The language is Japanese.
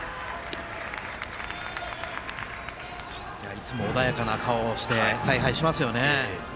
いつも穏やかな顔をして采配しますよね。